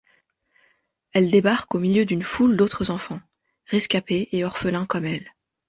Elle débarque au milieu d'une foule d'autres enfants, rescapés et orphelins comme elle.